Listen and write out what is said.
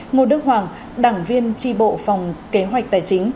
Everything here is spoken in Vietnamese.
nguyên đảng ủy viên đảng viên tri bộ phòng kế hoạch tài chính